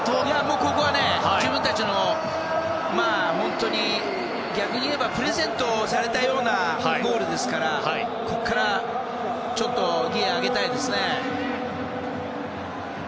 ここは、逆に言えばプレゼントされたようなゴールですからここからギアを上げたいですね。